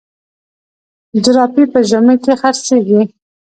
جراپي په ژمي کي خرڅیږي.